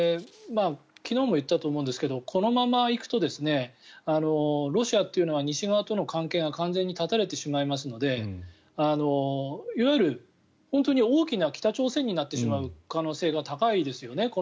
昨日も言ったと思うんですがこのまま行くとロシアっていうのは西側との関係が完全に断たれてしまいますのでいわゆる本当に大きな北朝鮮になってしまう可能性が高いですね。